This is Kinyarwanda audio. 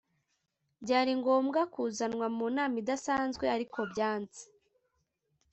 byari ngombwa kuzanwa mu nama idasanzwe ariko byanze.